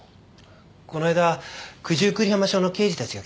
この間九十九里浜署の刑事たちが来た時です。